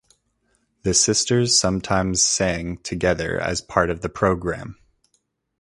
The sisters sometimes sang together as part of the program.